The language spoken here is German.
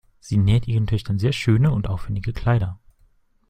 Sie näht ihren Töchtern sehr schöne und aufwendige Kleider.